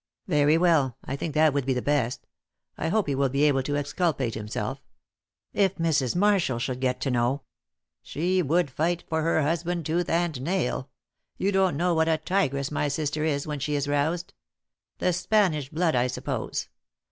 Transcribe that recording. "Very well, I think that would be best. I hope he will be able to exculpate himself. If Mrs. Marshall should get to know " "She would fight for her husband tooth and nail. You don't know what a tigress my sister is when she is roused; the Spanish blood, I suppose.